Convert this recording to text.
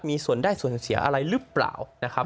มีส่วนได้ส่วนเสียอะไรหรือเปล่านะครับ